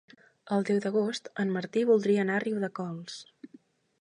El deu d'agost en Martí voldria anar a Riudecols.